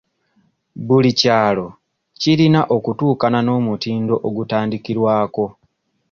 Buli kyalo kirina okutuukana n'omutindo ogutandikirwako.